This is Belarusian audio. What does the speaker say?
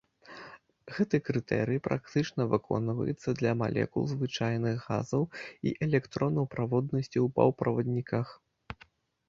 Гэты крытэрый практычна выконваецца для малекул звычайных газаў і электронаў праводнасці ў паўправадніках.